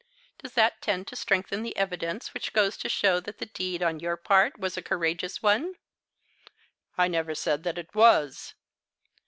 Does that tend to strengthen the evidence which goes to show that the deed, on your part, was a courageous one?" "I never said that it was."